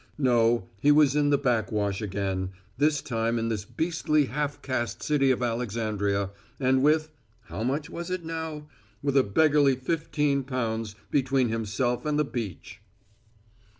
No, he was in the backwash again this time in this beastly half caste city of Alexandria, and with how much was it now? with a beggarly fifteen pounds between himself and the beach.